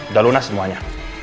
udah lunas semuanya